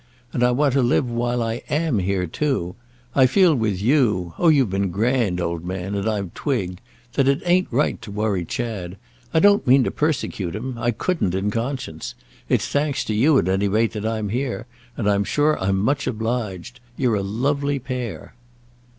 And I want to live while I am here too. I feel with you—oh you've been grand, old man, and I've twigged—that it ain't right to worry Chad. I don't mean to persecute him; I couldn't in conscience. It's thanks to you at any rate that I'm here, and I'm sure I'm much obliged. You're a lovely pair."